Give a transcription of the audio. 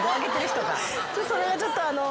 それがちょっと。